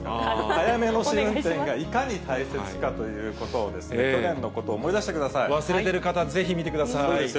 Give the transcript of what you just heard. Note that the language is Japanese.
早めの試運転がいかに大切かということを去年のことを思い出して忘れてる方、ぜひ見てくださそうですよ。